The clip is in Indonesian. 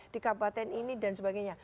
di kabupaten ini dan sebagainya